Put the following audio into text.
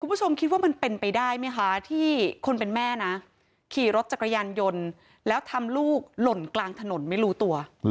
คุณผู้ชมคิดว่ามันเป็นไปได้ไหมคะที่คนเป็นแม่นะขี่รถจักรยานยนต์แล้วทำลูกหล่นกลางถนนไม่รู้ตัว